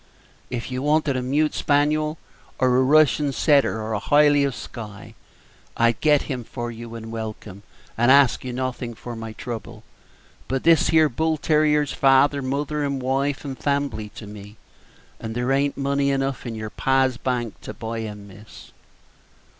If you wanted a mute spaniel, or a Russian setter, or a Hile of Skye, I'd get him for you and welcome, and ask you nothin' for my trouble; but this here bull terrier's father, mother, and wife, and fambly to me, and there a'n't money enough in your pa's bank to buy him, miss."